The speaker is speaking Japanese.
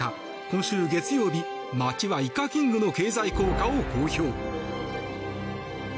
今週月曜日、町はイカキングの経済効果を公表。